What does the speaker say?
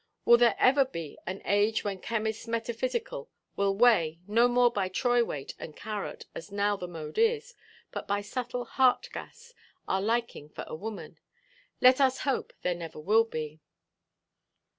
Will there ever be an age when chemists metaphysical will weigh—no more by troy weight, and carat, as now the mode is, but by subtle heart–gas—our liking for a woman? Let us hope there never will be.